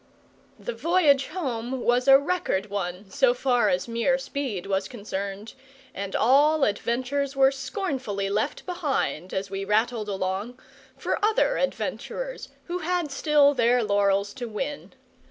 The voyage home was a record one, so far as mere speed was concerned, and all adventures were scornfully left behind, as we rattled along, for other adventurers who had still their laurels to win.